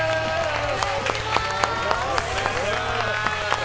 お願いします！